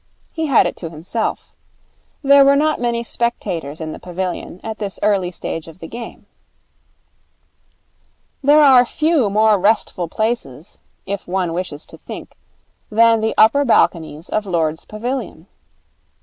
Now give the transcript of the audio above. He had it to himself. There were not many spectators in the pavilion at this early stage of the game. There are few more restful places, if one wishes to think, than the upper balconies of Lord's pavilion.